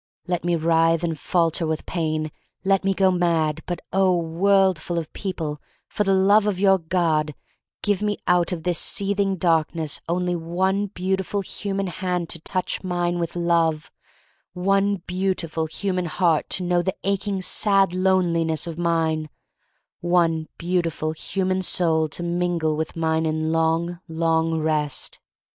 Let me writhe and falter with pain; let me go mad — but oh, worldful of people — for the love of your God — give me out of this seethingMarkness only , one beautiful human hand to touch mine with love, one beautiful human heart to know the aching sad loneliness of mine, one beautiful, human soul to mingle with mine in long, long Rest.